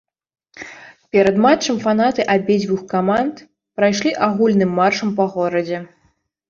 Перад матчам фанаты абедзвюх каманд прайшліся агульным маршам па горадзе.